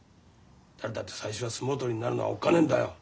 誰だって最初は相撲取りになるのがおっかねえんだよ。いいな。